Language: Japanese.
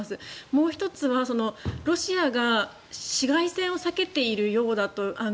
もう１つはロシアが市街戦を避けているようだと。